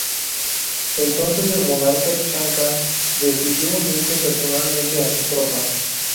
Entonces el monarca chanca decidió unirse personalmente a sus tropas.